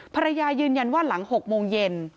ภรรยายืนยันว่าหลัง๖โมงเย็น